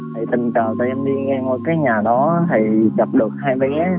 thì tình trường tụi em đi ngang qua cái nhà đó thì gặp được hai bé